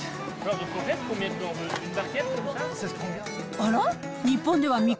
あら？